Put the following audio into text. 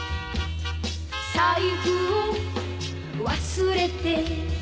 「財布を忘れて」